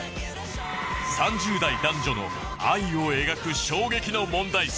３０代男女の愛を描く衝撃の問題作